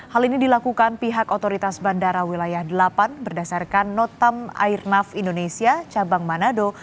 hal ini dilakukan pihak otoritas bandara wilayah delapan berdasarkan notam airnav indonesia cabang manado